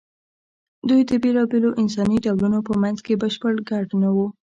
دوی د بېلابېلو انساني ډولونو په منځ کې بشپړ ګډ نه وو.